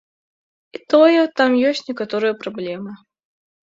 І тое, там ёсць некаторыя праблемы.